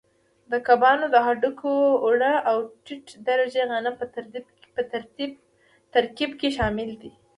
د کبانو د هډوکو اوړه او ټیټ درجې غنم په ترکیب کې شامل دي.